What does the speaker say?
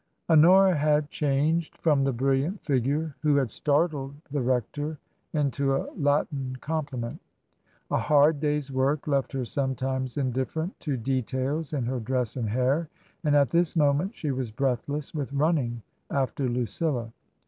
Honora had changed from the brilliant figure who had startled the rector into a Latin compliment. A hard day's work left her sometimes indifferent to details in her dress and hair ; and at this moment she was breathless with running after Lucilla.